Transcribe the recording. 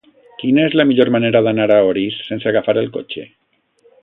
Quina és la millor manera d'anar a Orís sense agafar el cotxe?